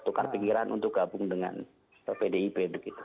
tukar pinggiran untuk gabung dengan pdip begitu